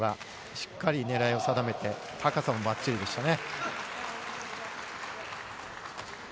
しっかり狙いを定めて高さもバッチリでしたね。